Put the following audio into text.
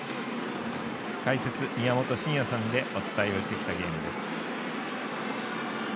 解説、宮本慎也さんでお伝えをしてきたゲームです。